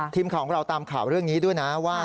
ทีมข่าวของเราตามข่าวเรื่องนี้ด้วยนะว่า